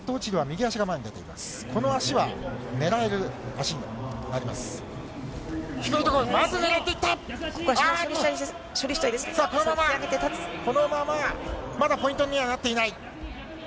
さあ、このまま、このまま、まだポイントにはなっていない。